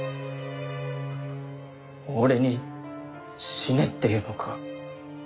俺に死ねって言うのか？